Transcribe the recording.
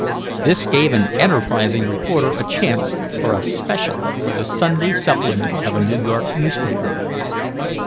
This gave an enterprising reporter a chance for a "special" for the Sunday supplement of a New York newspaper.